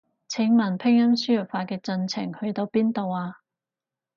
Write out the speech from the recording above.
請問拼音輸入法嘅進程去到邊度啊？